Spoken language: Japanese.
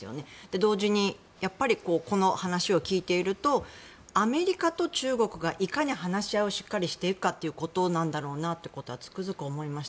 同時に、やっぱりこの話を聞いているとアメリカと中国がいかに話し合いをしっかりしていくことなんだろうなということはつくづく思いました。